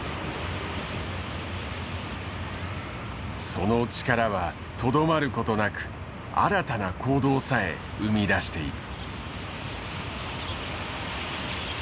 その力はとどまることなく新たな行動さえ生み出している。